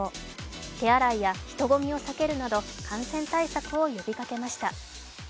手洗いや人混みを避けるなど感染対策を呼びかけました。